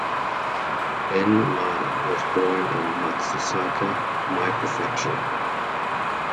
Ben Wada was born in Matsusaka, Mie Prefecture.